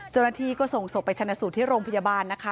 เจ้าหน้าที่ก็ส่งศพไปชนะสูตรที่โรงพยาบาลนะคะ